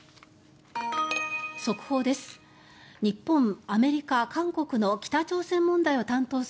速報です。